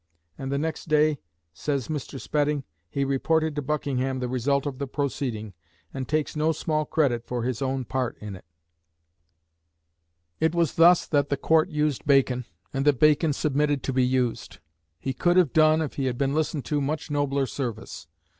"And the next day," says Mr. Spedding, "he reported to Buckingham the result of the proceeding," and takes no small credit for his own part in it. It was thus that the Court used Bacon, and that Bacon submitted to be used. He could have done, if he had been listened to, much nobler service.